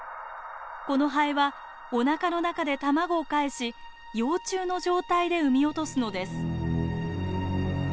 このハエはおなかの中で卵をかえし幼虫の状態で産み落とすのです。